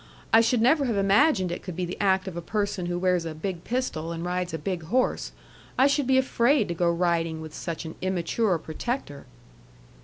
I should never have imagined it could be the act of a person who wears a big pistol and rides a big horse. I should be afraid to go riding with such an immature protector."